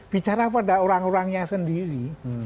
bicara pada orang orangnya sendiri